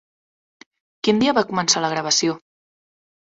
Quin dia va començar la gravació?